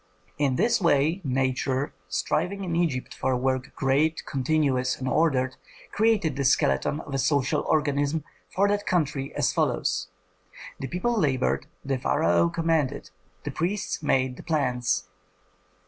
In this way nature, striving in Egypt for a work great, continuous, and ordered, created the skeleton of a social organism for that country as follows: the people labored, the pharaoh commanded, the priests made the plans.